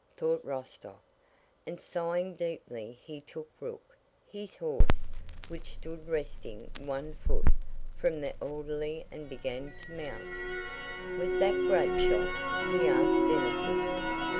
thought Rostóv, and sighing deeply he took Rook, his horse, which stood resting one foot, from the orderly and began to mount. "Was that grapeshot?" he asked Denísov.